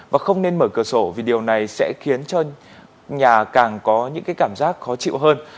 và không nên mở cửa sổ vì điều này sẽ khiến cho nhà càng có những cái cảm giác khó chịu hơn